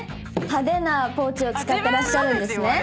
派手なポーチを使ってらっしゃるんですね。